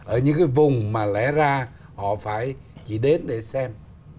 ở những cái vùng mà lẽ ra họ phải chỉ đến để xem